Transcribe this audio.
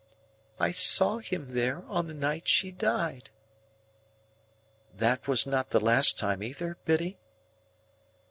"I saw him there, on the night she died." "That was not the last time either, Biddy?"